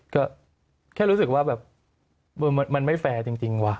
ก็แค่รู้สึกว่าแบบมันไม่แฟร์จริงวะ